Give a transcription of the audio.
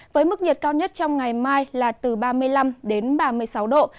với mức nhiệt cao nhất trong ngày mai là từ ba mươi năm đến ba mươi sáu độ